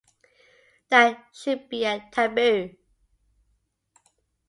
That should be a taboo.